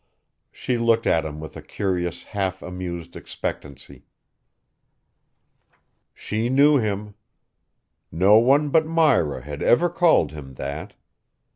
She looked at him with a curious half amused expectancy. She knew him. No one but Myra had ever called him that.